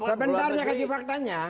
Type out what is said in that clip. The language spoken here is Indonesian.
sebentar saya kasih faktanya